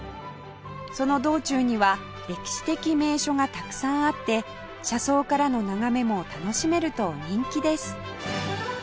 その道中には歴史的名所がたくさんあって車窓からの眺めも楽しめると人気です